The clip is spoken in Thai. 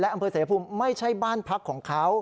อำเภอเสภูมิไม่ใช่บ้านพักของเขา